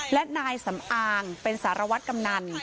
และนายสำอางเป็นสารวัตรกำนัน